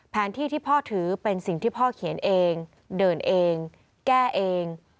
แผนที่ที่พ่อถือเป็นสิ่งที่พ่อเขียนเองเดินเองแก้เอง